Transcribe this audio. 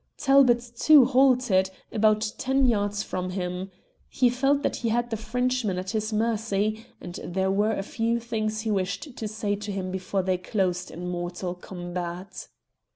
Talbot too halted, about ten yards from him. He felt that he had the Frenchman at his mercy, and there were a few things he wished to say to him before they closed in mortal combat.